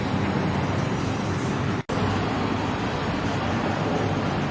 อาจารย์คุณสั่งมาด้วยเสียง๒๒๐๐น